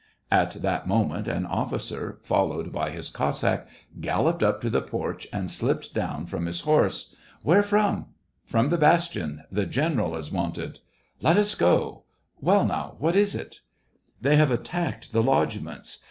At that moment, an officer followed by his Cos sack galloped up to the porch, and slipped down from his horse. " Where from .?"" From the bastion. The general is wanted." " Let us go. Well, now, what is it }" "They have attacked the lodgements